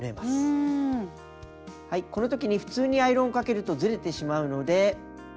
このときに普通にアイロンかけるとずれてしまうので。